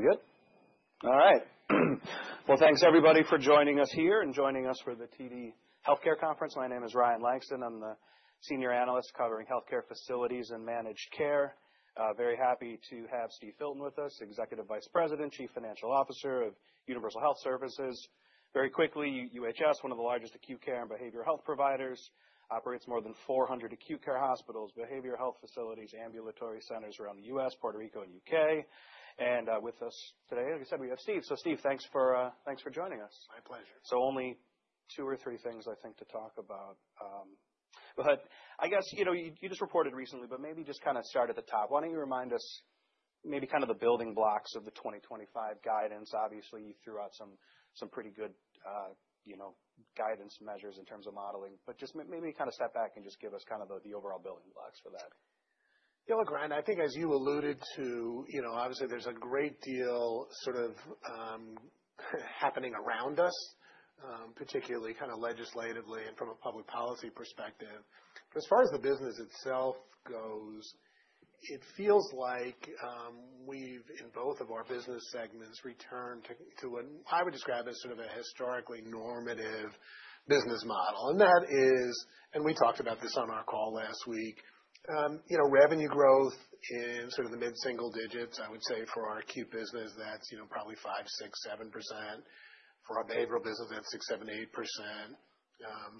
We good? All right. Well, thanks, everybody, for joining us here and joining us for the TD Health Care Conference. My name is Ryan Langston. I'm the senior analyst covering health care facilities and managed care. Very happy to have Steve Filton with us, Executive Vice President, Chief Financial Officer of Universal Health Services. Very quickly, UHS, one of the largest acute care and behavioral health providers, operates more than 400 acute care hospitals, behavioral health facilities, ambulatory centers around the U.S., Puerto Rico, and U.K. And with us today, like I said, we have Steve. So, Steve, thanks for joining us. My pleasure. So, only two or three things, I think, to talk about. But I guess, you know, you just reported recently, but maybe just kind of start at the top. Why don't you remind us maybe kind of the building blocks of the 2025 guidance? Obviously, you threw out some pretty good guidance measures in terms of modeling. But just maybe kind of step back and just give us kind of the overall building blocks for that. Yeah, look, Ryan, I think, as you alluded to, you know, obviously, there's a great deal sort of happening around us, particularly kind of legislatively and from a public policy perspective. But as far as the business itself goes, it feels like we've, in both of our business segments, returned to what I would describe as sort of a historically normative business model. And that is, and we talked about this on our call last week, you know, revenue growth in sort of the mid-single digits, I would say, for our acute business, that's, you know, probably 5%, 6%, 7%. For our behavioral business, that's 6%, 7%, 8%.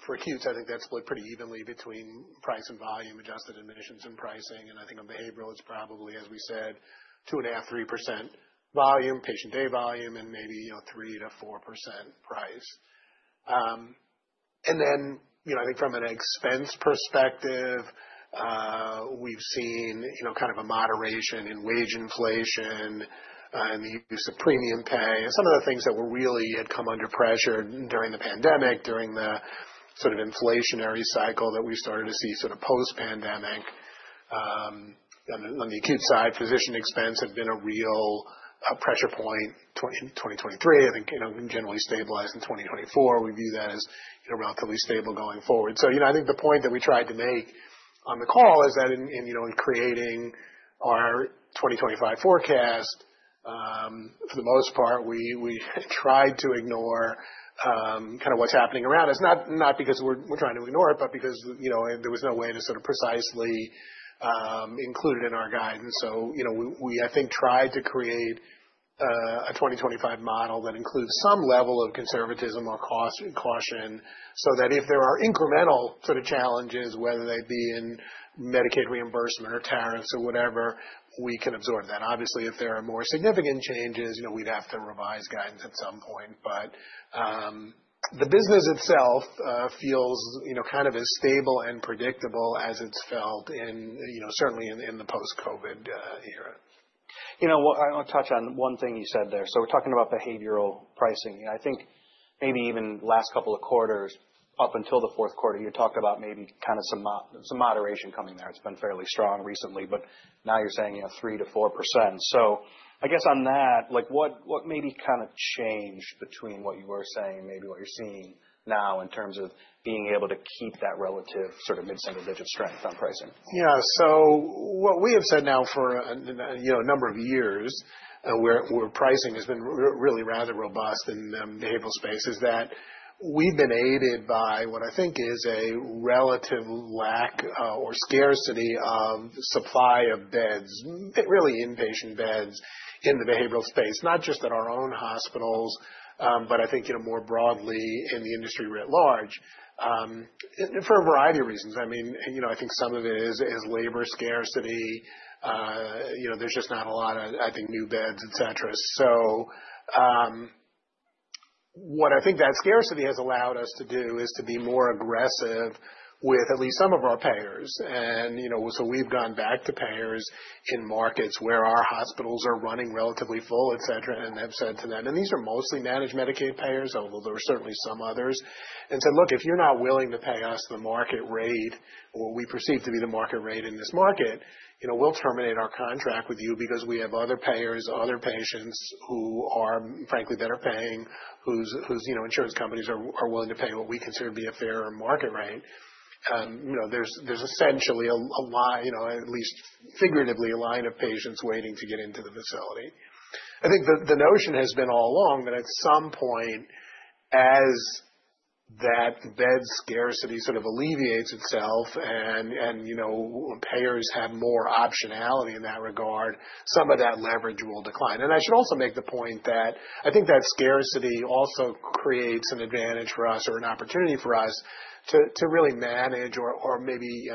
For acute, I think that's split pretty evenly between price and volume, adjusted admissions and pricing. And I think on behavioral, it's probably, as we said, 2.5%-3% volume, patient-day volume, and maybe, you know, 3%-4% price. And then, you know, I think from an expense perspective, we've seen, you know, kind of a moderation in wage inflation and the use of premium pay and some of the things that were really had come under pressure during the pandemic, during the sort of inflationary cycle that we started to see sort of post-pandemic. On the acute side, physician expense had been a real pressure point in 2023. I think, you know, generally stabilized in 2024. We view that as, you know, relatively stable going forward. So, you know, I think the point that we tried to make on the call is that in creating our 2025 forecast, for the most part, we tried to ignore kind of what's happening around us, not because we're trying to ignore it, but because, you know, there was no way to sort of precisely include it in our guidance. So, you know, we, I think, tried to create a 2025 model that includes some level of conservatism or caution so that if there are incremental sort of challenges, whether they be in Medicaid reimbursement or tariffs or whatever, we can absorb that. Obviously, if there are more significant changes, you know, we'd have to revise guidance at some point. But the business itself feels, you know, kind of as stable and predictable as it's felt in, you know, certainly in the post-COVID era. You know, I want to touch on one thing you said there. So, we're talking about behavioral pricing. You know, I think maybe even last couple of quarters up until the fourth quarter, you talked about maybe kind of some moderation coming there. It's been fairly strong recently, but now you're saying, you know, 3%-4%. So, I guess on that, like, what maybe kind of changed between what you were saying and maybe what you're seeing now in terms of being able to keep that relative sort of mid-single digit strength on pricing? Yeah. So, what we have said now for, you know, a number of years, where pricing has been really rather robust in the behavioral space, is that we've been aided by what I think is a relative lack or scarcity of supply of beds, really inpatient beds in the behavioral space, not just at our own hospitals, but I think, you know, more broadly in the industry writ large for a variety of reasons. I mean, you know, I think some of it is labor scarcity. You know, there's just not a lot of, I think, new beds, et cetera. So, what I think that scarcity has allowed us to do is to be more aggressive with at least some of our payers. And, you know, so we've gone back to payers in markets where our hospitals are running relatively full, et cetera, and have said to them, and these are mostly managed Medicaid payers, although there are certainly some others, and said, "Look, if you're not willing to pay us the market rate or what we perceive to be the market rate in this market, you know, we'll terminate our contract with you because we have other payers, other patients who are, frankly, better paying whose, you know, insurance companies are willing to pay what we consider to be a fair market rate." You know, there's essentially a line, you know, at least figuratively, a line of patients waiting to get into the facility. I think the notion has been all along that at some point, as that bed scarcity sort of alleviates itself and, you know, payers have more optionality in that regard, some of that leverage will decline. And I should also make the point that I think that scarcity also creates an advantage for us or an opportunity for us to really manage or maybe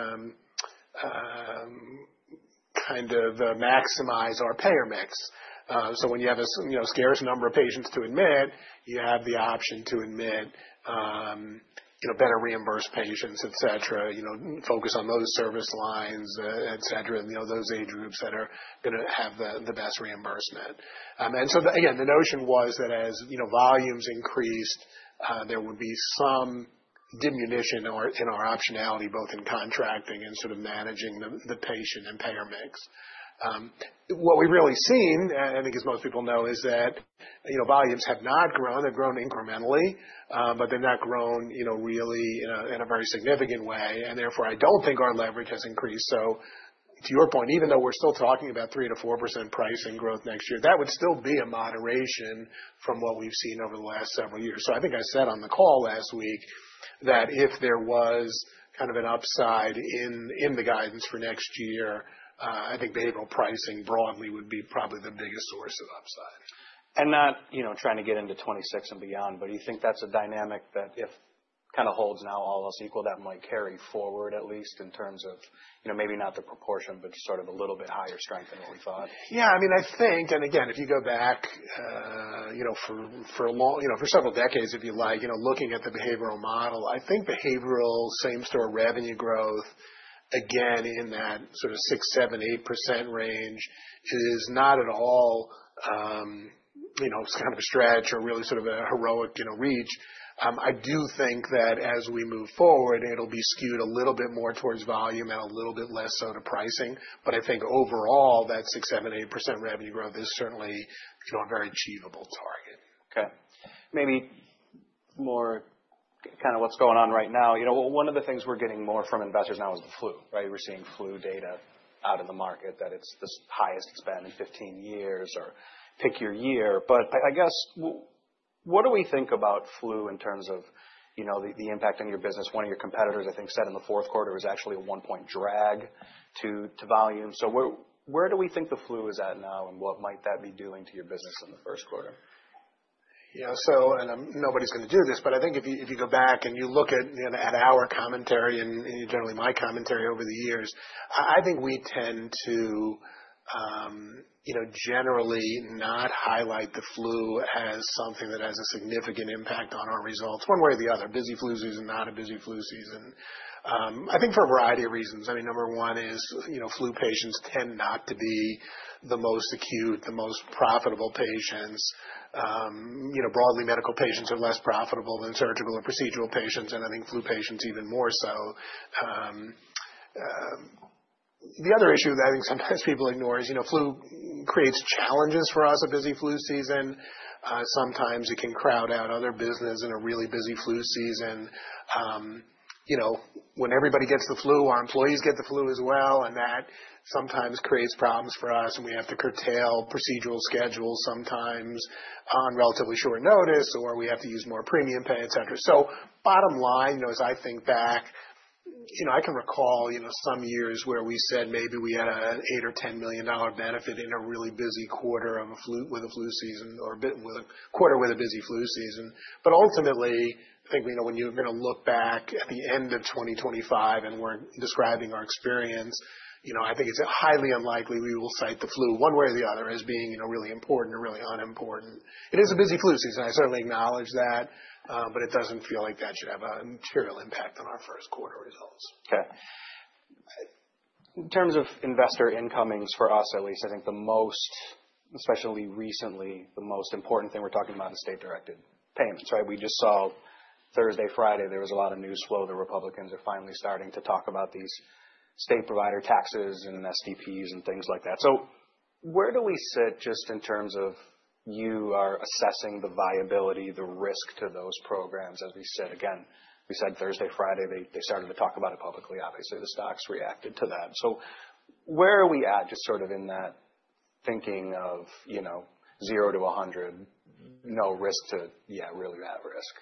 kind of maximize our payer mix. So, when you have a scarce number of patients to admit, you have the option to admit, you know, better reimbursed patients, et cetera, you know, focus on those service lines, et cetera, and, you know, those age groups that are going to have the best reimbursement. And so, again, the notion was that as, you know, volumes increased, there would be some diminution in our optionality, both in contracting and sort of managing the patient and payer mix. What we've really seen, I think, as most people know, is that, you know, volumes have not grown. They've grown incrementally, but they've not grown, you know, really in a very significant way. And therefore, I don't think our leverage has increased. So, to your point, even though we're still talking about 3%-4% pricing growth next year, that would still be a moderation from what we've seen over the last several years. So, I think I said on the call last week that if there was kind of an upside in the guidance for next year, I think behavioral pricing broadly would be probably the biggest source of upside. And not, you know, trying to get into 2026 and beyond, but do you think that's a dynamic that if kind of holds now almost equal, that might carry forward at least in terms of, you know, maybe not the proportion, but sort of a little bit higher strength than what we thought? Yeah. I mean, I think, and again, if you go back, you know, for several decades, if you like, you know, looking at the behavioral model, I think behavioral, same-store revenue growth, again, in that sort of 6%, 7%, 8% range is not at all, you know, kind of a stretch or really sort of a heroic, you know, reach. I do think that as we move forward, it'll be skewed a little bit more towards volume and a little bit less so to pricing. But I think overall, that 6%, 7%, 8% revenue growth is certainly, you know, a very achievable target. Okay. Maybe more kind of what's going on right now. You know, one of the things we're getting more from investors now is the flu, right? We're seeing flu data out in the market that it's the highest it's been in 15 years or pick your year. But I guess, what do we think about flu in terms of, you know, the impact on your business? One of your competitors, I think, said in the fourth quarter it was actually a one-point drag to volume. So, where do we think the flu is at now and what might that be doing to your business in the first quarter? Yeah. So, and nobody's going to do this, but I think if you go back and you look at our commentary and generally my commentary over the years, I think we tend to, you know, generally not highlight the flu as something that has a significant impact on our results one way or the other. Busy flu season is not a busy flu season. I think for a variety of reasons. I mean, number one is, you know, flu patients tend not to be the most acute, the most profitable patients. You know, broadly, medical patients are less profitable than surgical or procedural patients. And I think flu patients even more so. The other issue that I think sometimes people ignore is, you know, flu creates challenges for us, a busy flu season. Sometimes it can crowd out other business in a really busy flu season. You know, when everybody gets the flu, our employees get the flu as well, and that sometimes creates problems for us, and we have to curtail procedural schedules sometimes on relatively short notice, or we have to use more premium pay, et cetera, so, bottom line, you know, as I think back, you know, I can recall, you know, some years where we said maybe we had an $8-$10 million benefit in a really busy quarter of a flu season or a quarter with a busy flu season, but ultimately, I think, you know, when you're going to look back at the end of 2025 and we're describing our experience, you know, I think it's highly unlikely we will cite the flu one way or the other as being, you know, really important or really unimportant. It is a busy flu season. I certainly acknowledge that, but it doesn't feel like that should have a material impact on our first quarter results. Okay. In terms of investor inquiries for us, at least, I think the most, especially recently, the most important thing we're talking about is state-directed payments, right? We just saw Thursday, Friday, there was a lot of news flow. The Republicans are finally starting to talk about these state provider taxes and SDPs and things like that. So, where do we sit just in terms of you are assessing the viability, the risk to those programs? As we said, again, we said Thursday, Friday, they started to talk about it publicly. Obviously, the stocks reacted to that. So, where are we at just sort of in that thinking of, you know, zero to 100, no risk to, yeah, really at risk?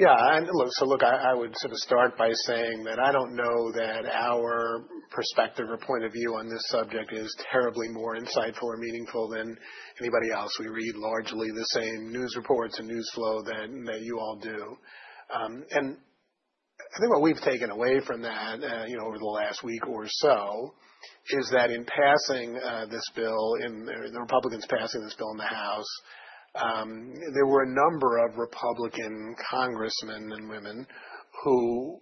Yeah. Look, I would sort of start by saying that I don't know that our perspective or point of view on this subject is terribly more insightful or meaningful than anybody else. We read largely the same news reports and news flow that you all do. And I think what we've taken away from that, you know, over the last week or so is that in passing this bill, the Republicans passing this bill in the House, there were a number of Republican congressmen and women who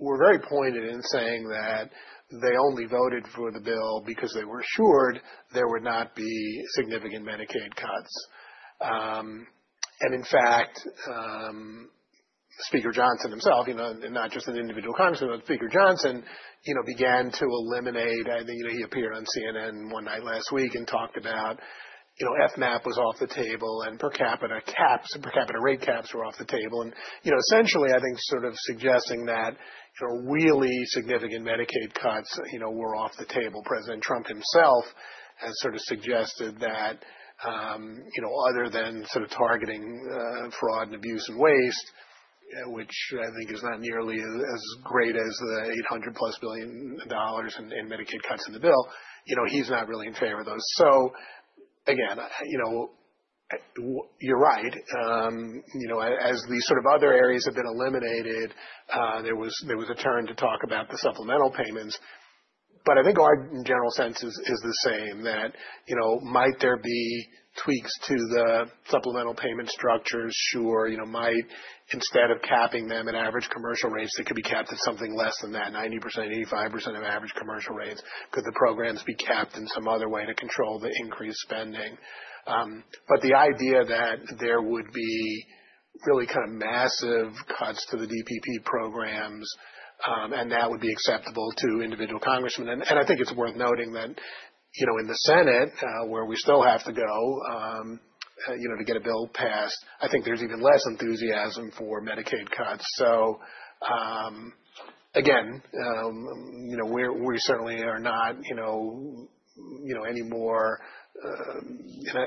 were very pointed in saying that they only voted for the bill because they were assured there would not be significant Medicaid cuts. And in fact, Speaker Johnson himself, you know, and not just an individual congressman, but Speaker Johnson, you know, began to eliminate, I think, you know, he appeared on CNN one night last week and talked about, you know, FMAP was off the table and per capita caps, per capita rate caps were off the table. And, you know, essentially, I think sort of suggesting that, you know, really significant Medicaid cuts, you know, were off the table. President Trump himself has sort of suggested that, you know, other than sort of targeting fraud and abuse and waste, which I think is not nearly as great as the $800-plus billion in Medicaid cuts in the bill, you know, he's not really in favor of those. So, again, you know, you're right. You know, as these sort of other areas have been eliminated, there was a turn to talk about the supplemental payments. But I think our general sense is the same that, you know, might there be tweaks to the supplemental payment structures? Sure, you know, might instead of capping them at average commercial rates, they could be capped at something less than that, 90%, 85% of average commercial rates. Could the programs be capped in some other way to control the increased spending? But the idea that there would be really kind of massive cuts to the DPP programs and that would be acceptable to individual congressmen. And I think it's worth noting that, you know, in the Senate, where we still have to go, you know, to get a bill passed, I think there's even less enthusiasm for Medicaid cuts. So, again, you know, we certainly are not, you know, anymore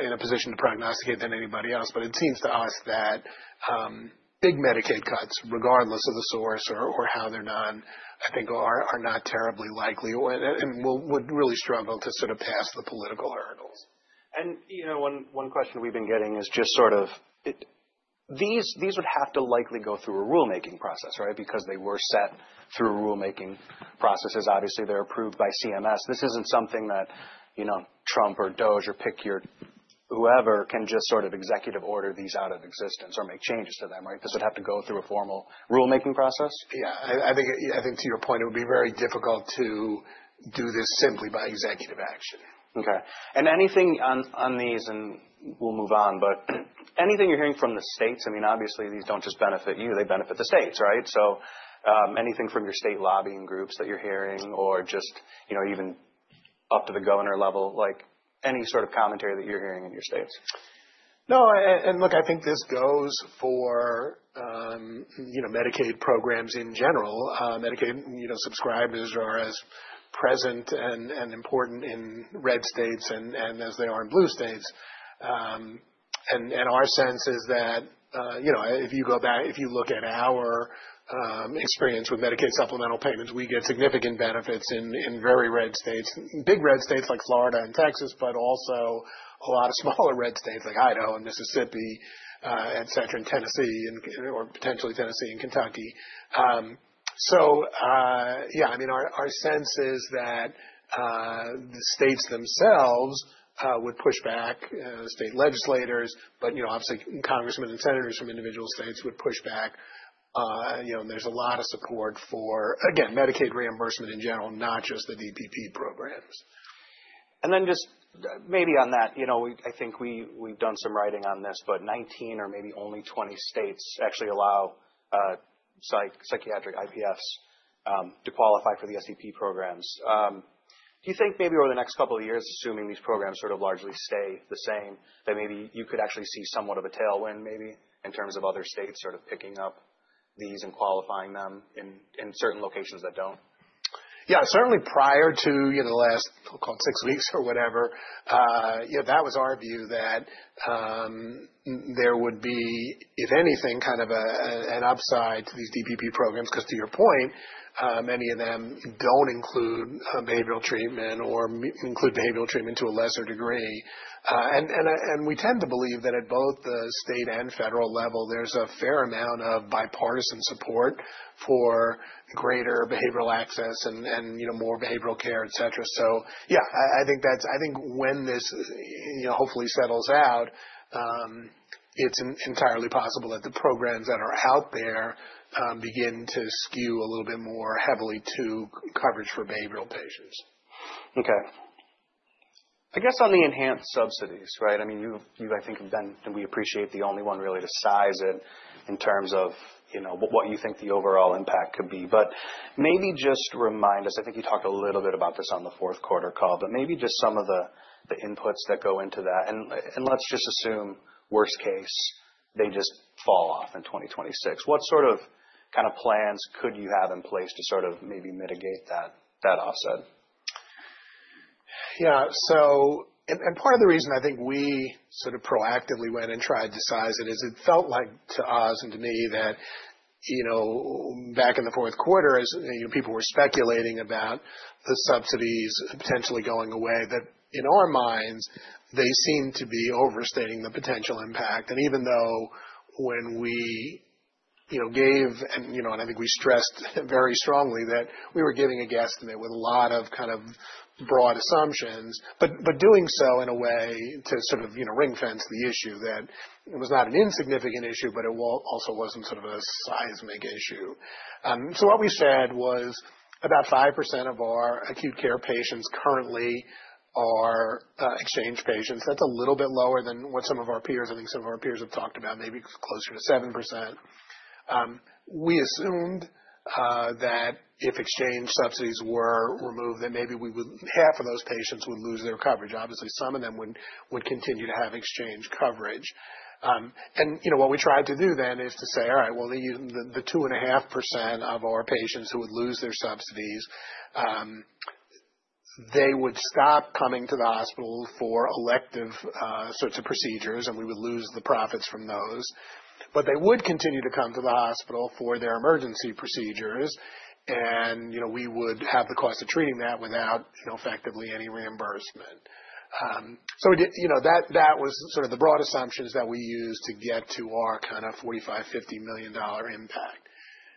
in a position to prognosticate than anybody else. But it seems to us that big Medicaid cuts, regardless of the source or how they're done, I think are not terribly likely and would really struggle to sort of pass the political hurdles. You know, one question we've been getting is just sort of these would have to likely go through a rulemaking process, right? Because they were set through rulemaking processes. Obviously, they're approved by CMS. This isn't something that, you know, Trump or DOGE or pick your whoever can just sort of executive order these out of existence or make changes to them, right? This would have to go through a formal rulemaking process? Yeah. I think to your point, it would be very difficult to do this simply by executive action. Okay, and anything on these, and we'll move on, but anything you're hearing from the states? I mean, obviously, these don't just benefit you. They benefit the states, right, so anything from your state lobbying groups that you're hearing or just, you know, even up to the governor level, like any sort of commentary that you're hearing in your states? No. And look, I think this goes for, you know, Medicaid programs in general. Medicaid, you know, subscribers are as present and important in red states and as they are in blue states. And our sense is that, you know, if you go back, if you look at our experience with Medicaid supplemental payments, we get significant benefits in very red states, big red states like Florida and Texas, but also a lot of smaller red states like Idaho and Mississippi, et cetera, and Tennessee or potentially Tennessee and Kentucky. So, yeah, I mean, our sense is that the states themselves would push back state legislators, but, you know, obviously, congressmen and senators from individual states would push back, you know, and there's a lot of support for, again, Medicaid reimbursement in general, not just the DPP programs. Just maybe on that, you know, I think we've done some writing on this, but 19 or maybe only 20 states actually allow psychiatric IPFs to qualify for the STP programs. Do you think maybe over the next couple of years, assuming these programs sort of largely stay the same, that maybe you could actually see somewhat of a tailwind maybe in terms of other states sort of picking up these and qualifying them in certain locations that don't? Yeah. Certainly prior to, you know, the last, call it six weeks or whatever, you know, that was our view that there would be, if anything, kind of an upside to these DPP programs because to your point, many of them don't include behavioral treatment or include behavioral treatment to a lesser degree. We tend to believe that at both the state and federal level, there's a fair amount of bipartisan support for greater behavioral access and, you know, more behavioral care, et cetera. So, yeah, I think that's, I think when this, you know, hopefully settles out, it's entirely possible that the programs that are out there begin to skew a little bit more heavily to coverage for behavioral patients. Okay. I guess on the enhanced subsidies, right? I mean, you've, I think, been, and we appreciate, the only one really to size it in terms of, you know, what you think the overall impact could be. But maybe just remind us. I think you talked a little bit about this on the fourth quarter call, but maybe just some of the inputs that go into that. And let's just assume worst case, they just fall off in 2026. What sort of kind of plans could you have in place to sort of maybe mitigate that offset? Yeah. So, and part of the reason I think we sort of proactively went and tried to size it is it felt like to us and to me that, you know, back in the fourth quarter, as, you know, people were speculating about the subsidies potentially going away, that in our minds, they seem to be overstating the potential impact. And even though when we, you know, gave, and, you know, and I think we stressed very strongly that we were giving a guesstimate with a lot of kind of broad assumptions, but doing so in a way to sort of, you know, ring-fence the issue that it was not an insignificant issue, but it also wasn't sort of a seismic issue. So what we said was about 5% of our acute care patients currently are exchange patients. That's a little bit lower than what some of our peers, I think some of our peers have talked about, maybe closer to 7%. We assumed that if exchange subsidies were removed, that maybe we would, half of those patients would lose their coverage. Obviously, some of them would continue to have exchange coverage, and, you know, what we tried to do then is to say, all right, well, the 2.5% of our patients who would lose their subsidies, they would stop coming to the hospital for elective sorts of procedures, and we would lose the profits from those, but they would continue to come to the hospital for their emergency procedures, and, you know, we would have the cost of treating that without, you know, effectively any reimbursement. So, you know, that was sort of the broad assumptions that we used to get to our kind of $45-$50 million impact.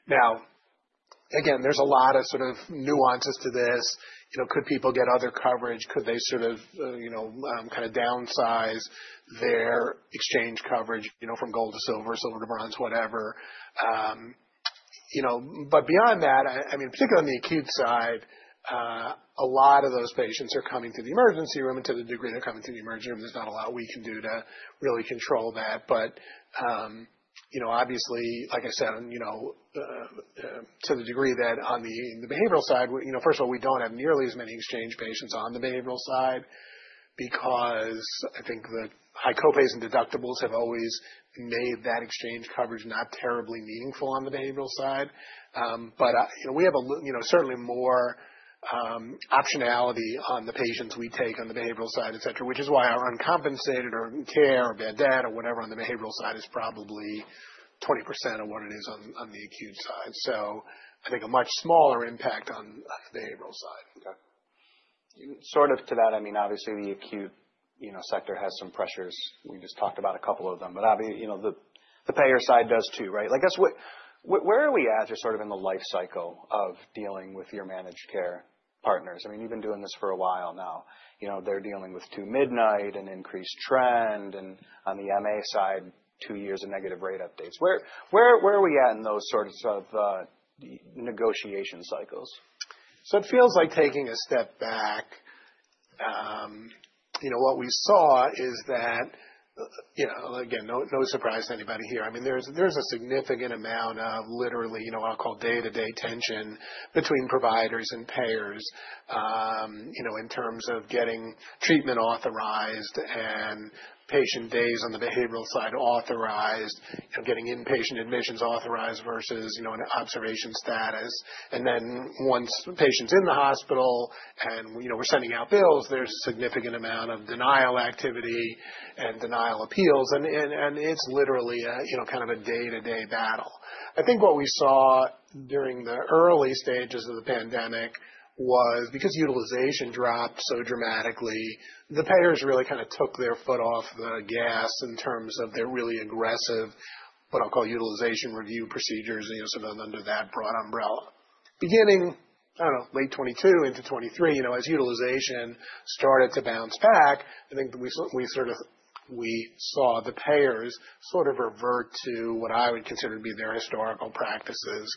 Now, again, there's a lot of sort of nuances to this. You know, could people get other coverage? Could they sort of, you know, kind of downsize their exchange coverage, you know, from gold to silver, silver to bronze, whatever? You know, but beyond that, I mean, particularly on the acute side, a lot of those patients are coming to the emergency room and to the degree they're coming to the emergency room, there's not a lot we can do to really control that. But, you know, obviously, like I said, you know, to the degree that on the behavioral side, you know, first of all, we don't have nearly as many exchange patients on the behavioral side because I think the high copays and deductibles have always made that exchange coverage not terribly meaningful on the behavioral side. But, you know, we have a, you know, certainly more optionality on the patients we take on the behavioral side, et cetera, which is why our uncompensated or care or bad debt or whatever on the behavioral side is probably 20% of what it is on the acute side. So I think a much smaller impact on the behavioral side. Okay. Sort of to that, I mean, obviously the acute, you know, sector has some pressures. We just talked about a couple of them, but obviously, you know, the payer side does too, right? I guess where are we at or sort of in the life cycle of dealing with your managed care partners? I mean, you've been doing this for a while now. You know, they're dealing with Two-Midnight and increased trend, and on the MA side, two years of negative rate updates. Where are we at in those sorts of negotiation cycles? So it feels like taking a step back. You know, what we saw is that, you know, again, no surprise to anybody here. I mean, there's a significant amount of literally, you know, what I'll call day-to-day tension between providers and payers, you know, in terms of getting treatment authorized and patient days on the behavioral side authorized, you know, getting inpatient admissions authorized versus, you know, an observation status. And then once patients in the hospital and, you know, we're sending out bills, there's a significant amount of denial activity and denial appeals. And it's literally a, you know, kind of a day-to-day battle. I think what we saw during the early stages of the pandemic was because utilization dropped so dramatically, the payers really kind of took their foot off the gas in terms of their really aggressive, what I'll call utilization review procedures, you know, sort of under that broad umbrella. Beginning, I don't know, late 2022 into 2023, you know, as utilization started to bounce back, I think we sort of, we saw the payers sort of revert to what I would consider to be their historical practices,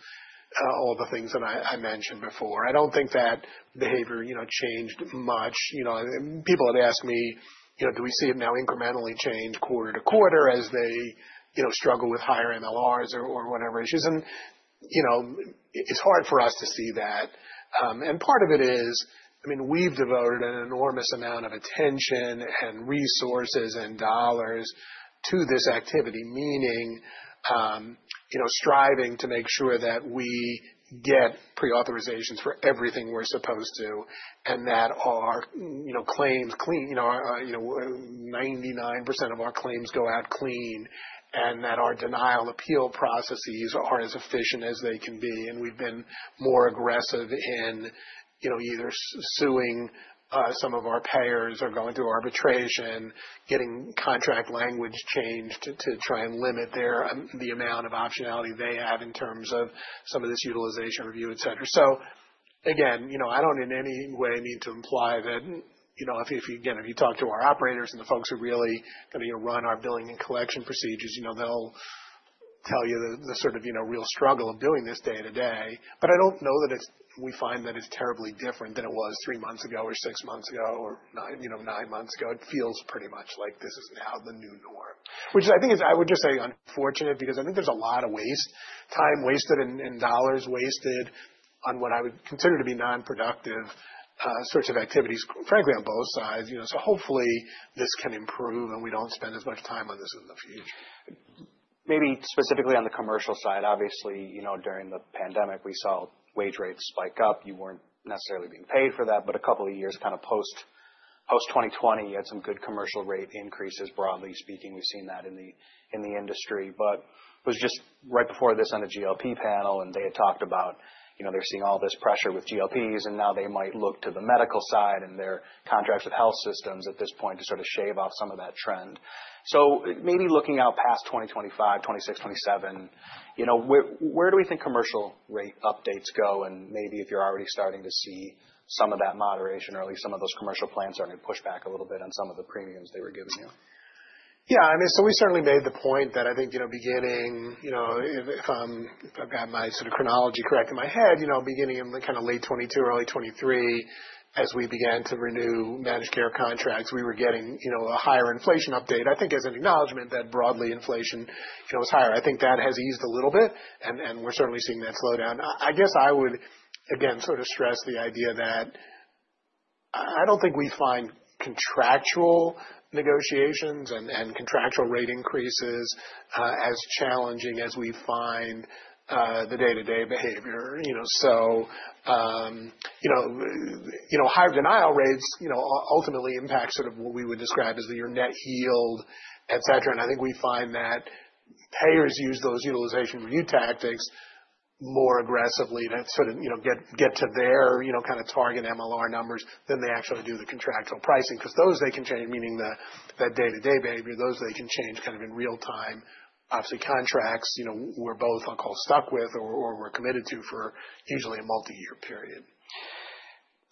all the things that I mentioned before. I don't think that behavior, you know, changed much. You know, people had asked me, you know, do we see it now incrementally change quarter to quarter as they, you know, struggle with higher MLRs or whatever issues? And, you know, it's hard for us to see that. Part of it is, I mean, we've devoted an enormous amount of attention and resources and dollars to this activity, meaning, you know, striving to make sure that we get pre-authorizations for everything we're supposed to and that our, you know, claims, you know, you know, 99% of our claims go out clean and that our denial appeal processes are as efficient as they can be. We've been more aggressive in, you know, either suing some of our payers or going through arbitration, getting contract language changed to try and limit the amount of optionality they have in terms of some of this utilization review, et cetera. So, again, you know, I don't in any way mean to imply that, you know, if you, again, if you talk to our operators and the folks who really kind of, you know, run our billing and collection procedures, you know, they'll tell you the sort of, you know, real struggle of doing this day to day. But I don't know that it's, we find that it's terribly different than it was three months ago or six months ago or, you know, nine months ago. It feels pretty much like this is now the new norm, which I think is, I would just say unfortunate because I think there's a lot of waste time wasted and dollars wasted on what I would consider to be nonproductive sorts of activities, frankly, on both sides, you know. Hopefully this can improve and we don't spend as much time on this in the future. Maybe specifically on the commercial side, obviously, you know, during the pandemic, we saw wage rates spike up. You weren't necessarily being paid for that, but a couple of years kind of post-2020, you had some good commercial rate increases. Broadly speaking, we've seen that in the industry, but it was just right before this on the GLP panel and they had talked about, you know, they're seeing all this pressure with GLPs and now they might look to the medical side and their contracts with health systems at this point to sort of shave off some of that trend. So maybe looking out past 2025, 2026, 2027, you know, where do we think commercial rate updates go? And maybe if you're already starting to see some of that moderation or at least some of those commercial plans starting to push back a little bit on some of the premiums they were giving you. Yeah. I mean, so we certainly made the point that I think, you know, beginning, you know, if I've got my sort of chronology correct in my head, you know, beginning in the kind of late 2022, early 2023, as we began to renew managed care contracts, we were getting, you know, a higher inflation update. I think as an acknowledgement that broadly inflation, you know, was higher. I think that has eased a little bit and we're certainly seeing that slow down. I guess I would again sort of stress the idea that I don't think we find contractual negotiations and contractual rate increases as challenging as we find the day-to-day behavior, you know. So, you know, you know, higher denial rates, you know, ultimately impact sort of what we would describe as your net yield, et cetera. I think we find that payers use those utilization review tactics more aggressively to sort of, you know, get to their, you know, kind of target MLR numbers than they actually do the contractual pricing because those they can change, meaning that day-to-day behavior, those they can change kind of in real time. Obviously, contracts, you know, we're both, I'll call, stuck with or we're committed to for usually a multi-year period.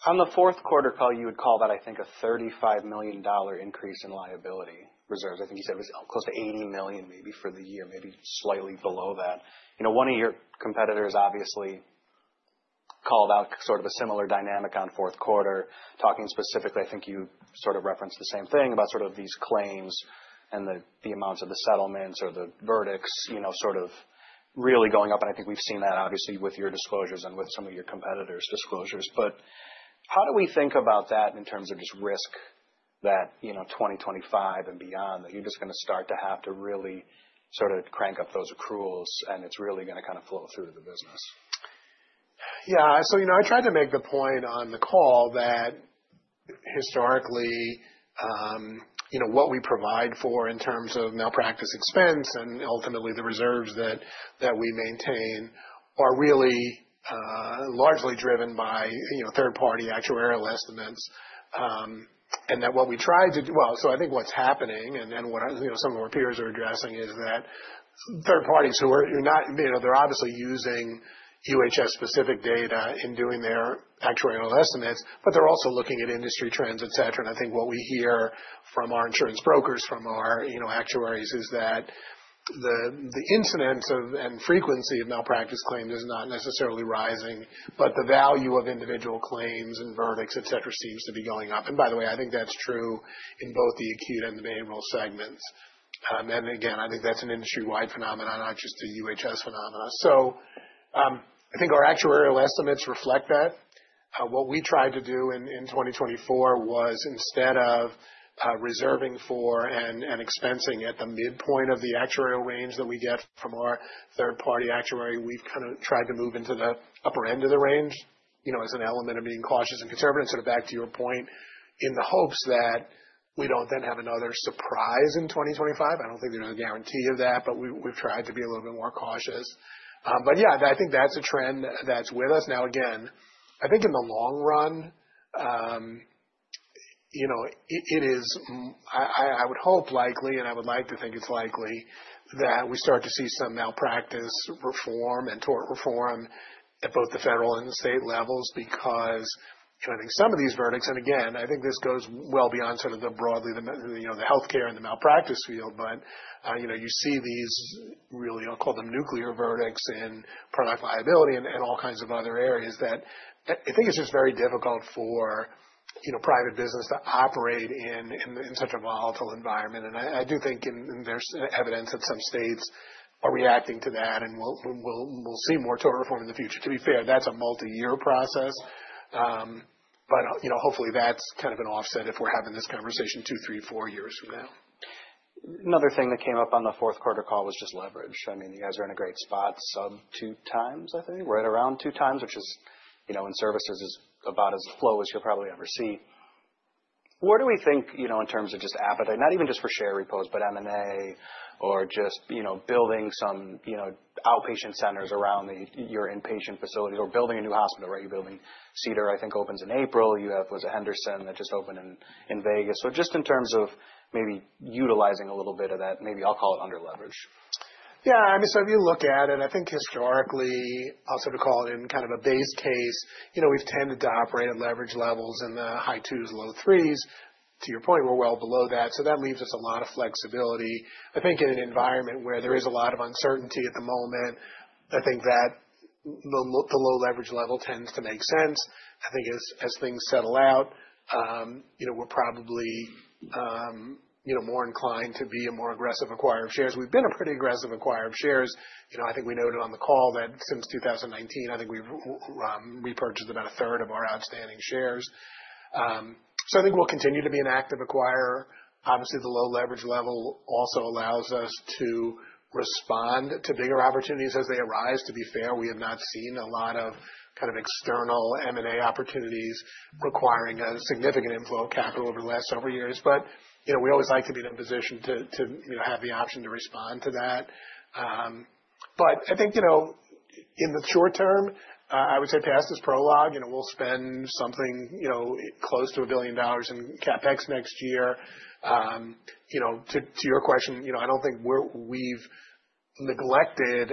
On the fourth quarter call, you would call that, I think, a $35 million increase in liability reserves. I think you said it was close to $80 million maybe for the year, maybe slightly below that. You know, one of your competitors obviously called out sort of a similar dynamic on fourth quarter. Talking specifically, I think you sort of referenced the same thing about sort of these claims and the amounts of the settlements or the verdicts, you know, sort of really going up. And I think we've seen that obviously with your disclosures and with some of your competitors' disclosures. But how do we think about that in terms of just risk that, you know, 2025 and beyond that you're just going to start to have to really sort of crank up those accruals and it's really going to kind of flow through the business? Yeah, so, you know, I tried to make the point on the call that historically, you know, what we provide for in terms of malpractice expense and ultimately the reserves that we maintain are really largely driven by, you know, third-party actuarial estimates and, well, so I think what's happening and what, you know, some of our peers are addressing is that third parties who are, you know, they're obviously using UHS-specific data in doing their actuarial estimates, but they're also looking at industry trends, et cetera, and I think what we hear from our insurance brokers, from our, you know, actuaries is that the incidence of and frequency of malpractice claims is not necessarily rising, but the value of individual claims and verdicts, et cetera, seems to be going up. And by the way, I think that's true in both the acute and the behavioral segments. And again, I think that's an industry-wide phenomenon, not just a UHS phenomenon. So I think our actuarial estimates reflect that. What we tried to do in 2024 was instead of reserving for and expensing at the midpoint of the actuarial range that we get from our third-party actuary, we've kind of tried to move into the upper end of the range, you know, as an element of being cautious and conservative. And sort of back to your point, in the hopes that we don't then have another surprise in 2025. I don't think there's a guarantee of that, but we've tried to be a little bit more cautious. But yeah, I think that's a trend that's with us. Now, again, I think in the long run, you know, it is, I would hope likely, and I would like to think it's likely that we start to see some malpractice reform and tort reform at both the federal and the state levels because, you know, I think some of these verdicts, and again, I think this goes well beyond sort of the broadly, you know, the healthcare and the malpractice field, but, you know, you see these really, I'll call them nuclear verdicts in product liability and all kinds of other areas that I think it's just very difficult for, you know, private business to operate in such a volatile environment. And I do think there's evidence that some states are reacting to that and we'll see more tort reform in the future. To be fair, that's a multi-year process. But, you know, hopefully that's kind of an offset if we're having this conversation two, three, four years from now. Another thing that came up on the fourth quarter call was just leverage. I mean, you guys are in a great spot some two times, I think, right around two times, which is, you know, in services is about as low as you'll probably ever see. Where do we think, you know, in terms of just appetite, not even just for share repos, but M&A or just, you know, building some, you know, outpatient centers around your inpatient facilities or building a new hospital, right? You're building Cedar, I think opens in April. You have, was it Henderson that just opened in Vegas? So just in terms of maybe utilizing a little bit of that, maybe I'll call it under leverage. Yeah. I mean, so if you look at it, I think historically, I'll sort of call it in kind of a base case, you know, we've tended to operate at leverage levels in the high twos, low threes. To your point, we're well below that. So that leaves us a lot of flexibility. I think in an environment where there is a lot of uncertainty at the moment, I think that the low leverage level tends to make sense. I think as things settle out, you know, we're probably, you know, more inclined to be a more aggressive acquirer of shares. We've been a pretty aggressive acquirer of shares. You know, I think we noted on the call that since 2019, I think we've repurchased about a third of our outstanding shares. So I think we'll continue to be an active acquirer. Obviously, the low leverage level also allows us to respond to bigger opportunities as they arise. To be fair, we have not seen a lot of kind of external M&A opportunities requiring a significant inflow of capital over the last several years. But, you know, we always like to be in a position to, you know, have the option to respond to that. But I think, you know, in the short term, I would say past this prologue, you know, we'll spend something, you know, close to $1 billion in CapEx next year. You know, to your question, you know, I don't think we've neglected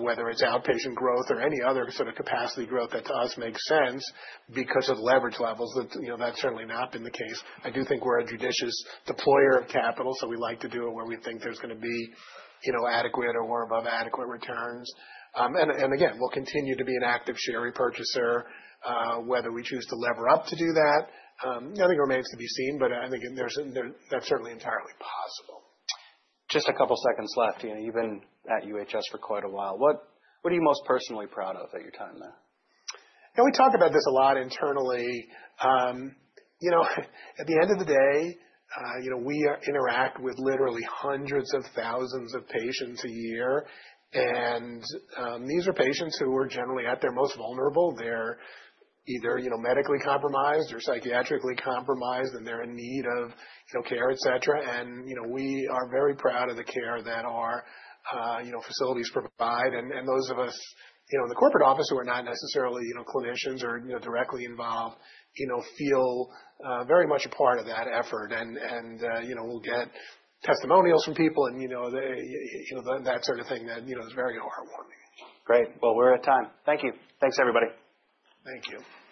whether it's outpatient growth or any other sort of capacity growth that to us makes sense because of leverage levels. You know, that's certainly not been the case. I do think we're a judicious deployer of capital. So we like to do it where we think there's going to be, you know, adequate or above adequate returns. And again, we'll continue to be an active share repurchaser whether we choose to lever up to do that. Nothing remains to be seen, but I think that's certainly entirely possible. Just a couple seconds left. You know, you've been at UHS for quite a while. What are you most personally proud of at your time there? Yeah. We talk about this a lot internally. You know, at the end of the day, you know, we interact with literally hundreds of thousands of patients a year. And these are patients who are generally at their most vulnerable. They're either, you know, medically compromised or psychiatrically compromised, and they're in need of, you know, care, et cetera. And, you know, we are very proud of the care that our, you know, facilities provide. And those of us, you know, in the corporate office who are not necessarily, you know, clinicians or, you know, directly involved, you know, feel very much a part of that effort. And, you know, we'll get testimonials from people and, you know, you know, that sort of thing that, you know, is very heartwarming. Great. Well, we're at time. Thank you. Thanks, everybody. Thank you.